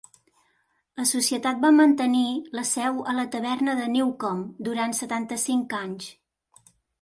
La societat va mantenir la seu a la taverna de Newcom durant setanta-cinc anys.